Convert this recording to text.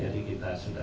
jadi kita sudah